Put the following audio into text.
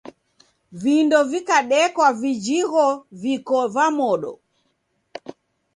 Vindo vikadekwa vijhigho viko va modo.